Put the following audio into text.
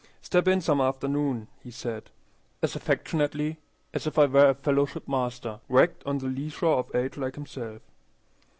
"Step in some afternoon," he said, as affectionately as if I were a fellow shipmaster wrecked on the lee shore of age like himself.